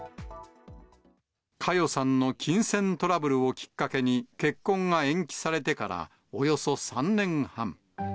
佳代さんの金銭トラブルをきっかけに結婚が延期されてから、およそ３年半。